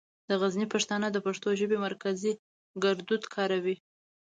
د غزني پښتانه د پښتو ژبې مرکزي ګړدود کاروي.